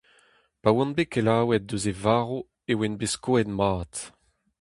Pa oan bet kelaouet eus e varv e oan bet skoet mat.